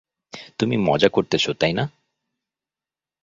তুমি মজা করতেছো তাই না?